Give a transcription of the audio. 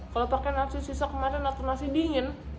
kalau terkait nasi sisa kemarin atau nasi dingin